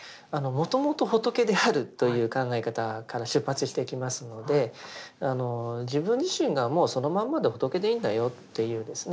「もともと仏である」という考え方から出発していきますので自分自身がもうそのまんまで仏でいいんだよっていうですね